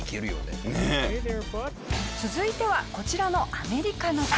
続いてはこちらのアメリカの方。